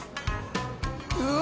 うわ！